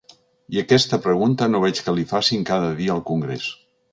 I aquesta pregunta no veig que li facin cada dia al congrés.